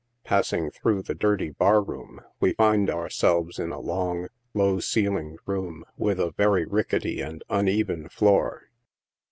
Passing through the dirty bar room, we find ourselves in a long, low ceiled room, with a very ricketty and uneven floor.